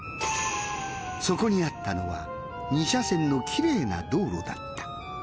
そこにあったのは２車線のきれいな道路だった。